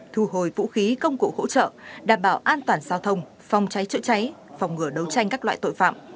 thu hồi vũ khí công cụ hỗ trợ đảm bảo an toàn giao thông phòng cháy chữa cháy phòng ngừa đấu tranh các loại tội phạm